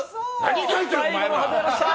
最後も外れました。